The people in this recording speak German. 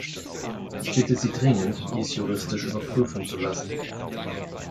Ich bitte Sie dringend, dies juristisch überprüfen zu lassen.